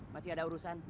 masih ada urusan